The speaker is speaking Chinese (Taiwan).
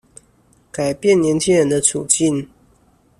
改變年輕人的處境